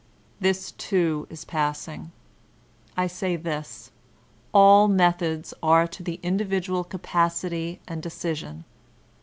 This too is passing. I say this:. all methods are to the individual capacity and decision.